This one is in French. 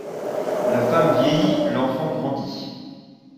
La femme vieillit, l’enfant grandit.